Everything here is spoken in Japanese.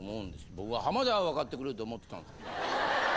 僕は浜田は分かってくれると思ってたんですけど。